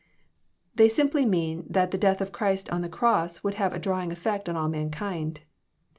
They simply mean that the death of Christ on the cross would have a drawing effect on all mankind.